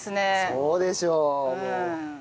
そうでしょうもう。